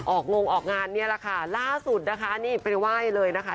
งงออกงานเนี่ยแหละค่ะล่าสุดนะคะนี่ไปไหว้เลยนะคะ